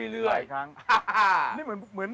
เรื่อยรายครั้ง